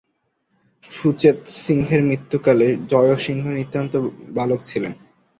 সুচেতসিংহের মৃত্যুকালে জয়সিংহ নিতান্ত বালক ছিলেন।